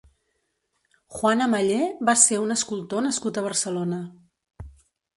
Juan Ameller va ser un escultor nascut a Barcelona.